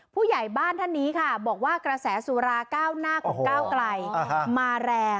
ผู้ใหญ่บ้านท่านนี้ค่ะบอกว่ากระแสสุราเก้าหน้าของก้าวไกลมาแรง